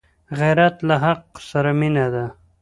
غیرت له حق سره مینه ده